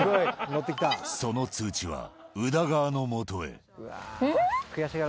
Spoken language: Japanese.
その通知は、宇田川のもとへ。